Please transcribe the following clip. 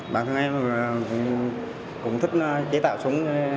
bản thân em cũng thích chế tạo súng